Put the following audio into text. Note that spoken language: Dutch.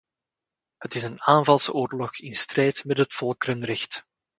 Het is een aanvalsoorlog in strijd met het volkerenrecht.